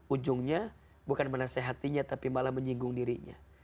ujungnya bukan menasehatinya tapi malah menyinggung dirinya